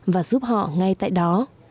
và giúp họ ngay tại đó